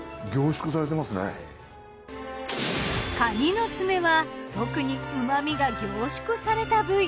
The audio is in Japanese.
かにの爪は特に旨みが凝縮された部位。